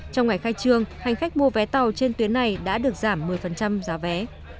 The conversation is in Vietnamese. trong ngày khai trương hành khách mua vé tàu trên tuyến này đã được giảm một mươi giá vé